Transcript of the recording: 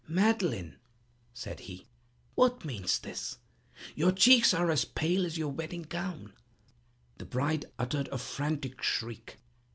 "Madeleine," said he, "what means this? your cheeks are as pale as your wedding gown!" The bride uttered a frantic shriek.